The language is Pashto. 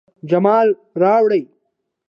جمال راوړي